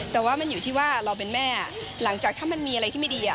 แต่ว่ามันอยู่ที่ว่าเราเป็นแม่หลังจากถ้ามันมีอะไรที่ไม่ดี